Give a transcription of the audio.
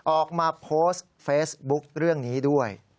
ออกมาโพสต์เฟซบุ๊คเรื่องนี้ด้วย